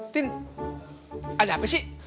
tin ada apa sih